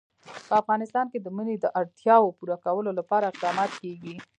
په افغانستان کې د منی د اړتیاوو پوره کولو لپاره اقدامات کېږي.